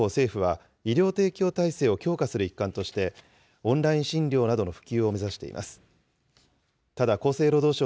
コロナ禍以降、政府は医療提供体制を強化する一環として、オンライン診療などの普及を目指しています。